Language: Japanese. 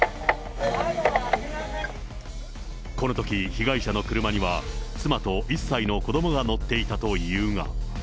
このとき、被害者の車には、妻と１歳の子どもが乗っていたというが。